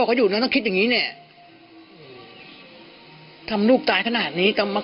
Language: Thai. ก็อยู่นะต้องคิดอย่างงี้เนี่ยทำลูกตายขนาดนี้จะมา